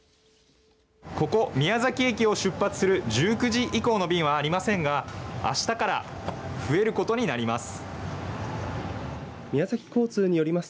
ここ、宮崎駅を出発する１９時以降の便はありませんがあしたから増えることになります。